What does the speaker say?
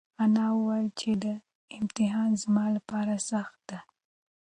انا وویل چې دا امتحان زما لپاره سخته ده.